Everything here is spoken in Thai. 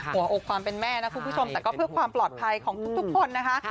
หัวอกความเป็นแม่นะคุณผู้ชมแต่ก็เพื่อความปลอดภัยของทุกคนนะคะ